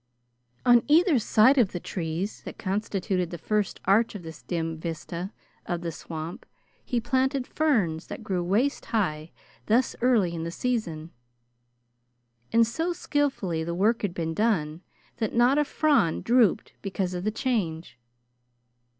On either side of the trees that constituted the first arch of this dim vista of the swamp he planted ferns that grew waist high thus early in the season, and so skilfully the work had been done that not a frond drooped because of the change.